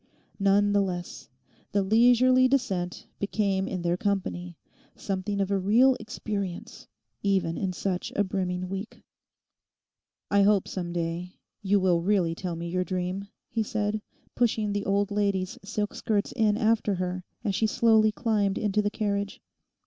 None the less, the leisurely descent became in their company something of a real experience even in such a brimming week. 'I hope, some day, you will really tell me your dream?' he said, pushing the old lady's silk skirts in after her as she slowly climbed into the carriage.